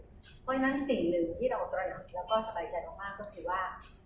เพราะฉะนั้นสิ่งหนึ่งที่เราตัดหาและสบายใจเรามากก็คือว่า